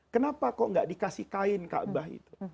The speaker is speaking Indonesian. kenapa kok tidak dikasih kain kaabah itu